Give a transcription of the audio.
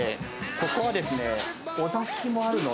ここはですね。